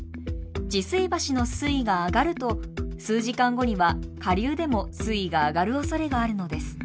治水橋の水位が上がると数時間後には下流でも水位が上がるおそれがあるのです。